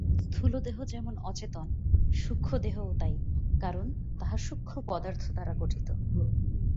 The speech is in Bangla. স্থূলদেহ যেমন অচেতন, সূক্ষ্মদেহও তাই, কারণ তাহা সূক্ষ্ম পদার্থ দ্বারা গঠিত।